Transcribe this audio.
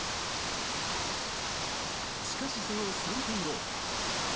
しかし、その３分後。